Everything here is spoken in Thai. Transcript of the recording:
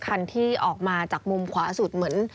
คันที่ออกมาจากมุมขวาสุดเหมือน